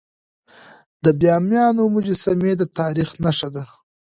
د بامیانو مجسمي د تاریخ نښه ده.